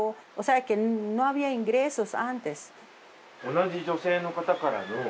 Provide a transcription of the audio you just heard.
同じ女性の方からの視線は？